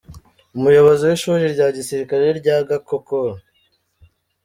Umuyobozi w’ishuri rya gisirikare rya Gako, Col.